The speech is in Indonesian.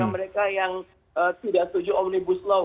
mereka yang tidak setuju omnibus law